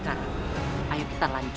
kau lakukan lalu